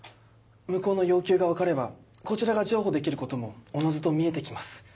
向こうの要求が分かればこちらが譲歩できることもおのずと見えて来ます。